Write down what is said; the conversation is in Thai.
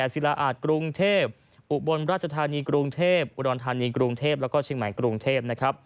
ซีลาอาจกรุงเทพฯอุบรรณราชธานีกรุงเทพฯอุดรณธานีกรุงเทพฯและเชียร์ใหม่กรุงเทพฯ